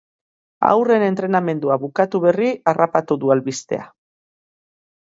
Haurren entrenamendua bukatu berri harrapatu du albistea.